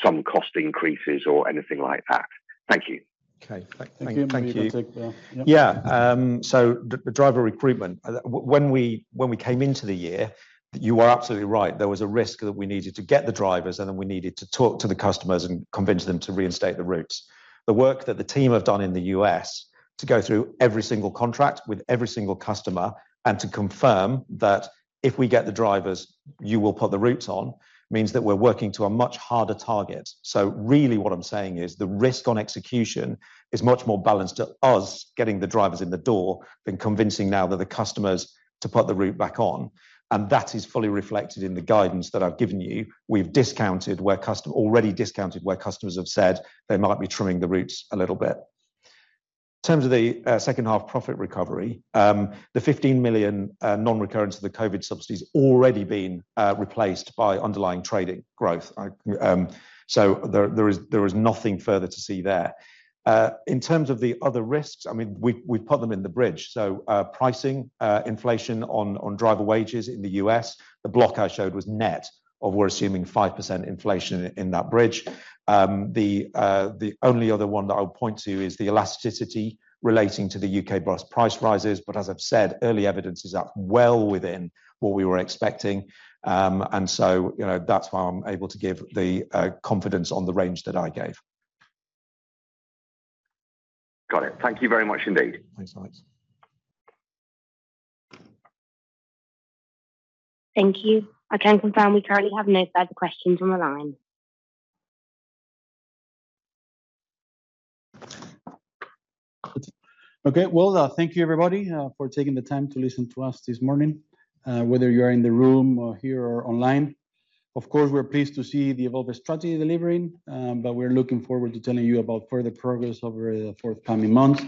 some cost increases or anything like that? Thank you. Okay. Thank you. Thank you. I'll take that. Yeah. The driver recruitment, when we came into the year, you are absolutely right. There was a risk that we needed to get the drivers, and then we needed to talk to the customers and convince them to reinstate the routes. The work that the team have done in the U.S. to go through every single contract with every single customer, and to confirm that if we get the drivers, you will put the routes on, means that we're working to a much harder target. Really what I'm saying is the risk on execution is much more balanced to us getting the drivers in the door than convincing now that the customers to put the route back on. That is fully reflected in the guidance that I've given you. We've discounted where custom... Already discounted where customers have said they might be trimming the routes a little bit. In terms of the second half profit recovery, the 15 million non-recurrence of the COVID subsidies already been replaced by underlying trading growth. There is nothing further to see there. In terms of the other risks, I mean, we've put them in the bridge. Pricing inflation on driver wages in the U.S., the block I showed was net of we're assuming 5% inflation in that bridge. The only other one that I would point to is the elasticity relating to the U.K. bus price rises. As I've said, early evidence is that well within what we were expecting. You know, that's why I'm able to give the confidence on the range that I gave. Got it. Thank you very much indeed. Thanks, Alex. Thank you. I can confirm we currently have no further questions on the line. Okay. Well, thank you everybody for taking the time to listen to us this morning, whether you are in the room or here or online. Of course, we're pleased to see the Evolve strategy delivering, but we're looking forward to telling you about further progress over the forthcoming months,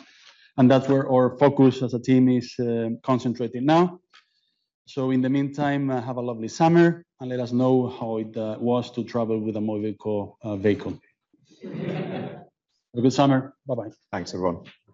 and that's where our focus as a team is concentrating now. In the meantime, have a lovely summer, and let us know how it was to travel with a Mobico vehicle. Have a good summer. Bye-bye. Thanks, everyone.